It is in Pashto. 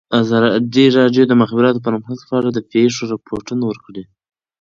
ازادي راډیو د د مخابراتو پرمختګ په اړه د پېښو رپوټونه ورکړي.